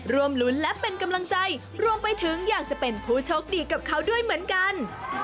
รวมลุ้นและเป็นกำลังใจรวมไปถึงอยากจะเป็นผู้โชคดีกับเขาด้วยเหมือนกัน